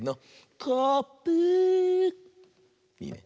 いいね。